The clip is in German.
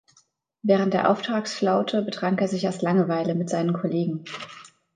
Während der Auftragsflaute betrank er sich aus Langeweile mit seinen Kollegen.